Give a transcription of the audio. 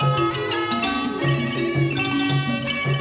โอเคครับ